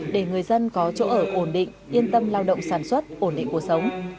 để người dân có chỗ ở ổn định yên tâm lao động sản xuất ổn định cuộc sống